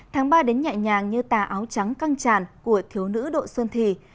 tháng ba đến nhẹ nhàng như tà áo trắng căng tràn của thiếu nữ độ xuân thì